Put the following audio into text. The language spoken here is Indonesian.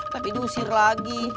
tapi diusir lagi